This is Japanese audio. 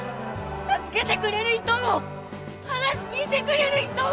助けてくれる人も話聞いてくれる人も！